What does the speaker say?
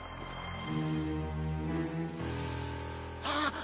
ああ！？